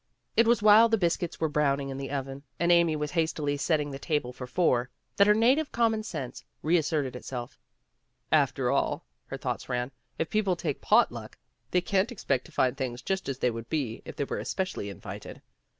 It was while the biscuits were browning in the oven, and Aniy was hastily setting the table for four, that her native common sense re as serted itself. "After all," her thoughts ran, "if people take pot luck, they can't expect to find things just as they would be if they were especially invited.